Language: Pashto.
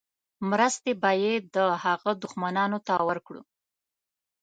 مرستې به یې د هغه دښمنانو ته ورکړو.